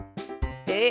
えっ？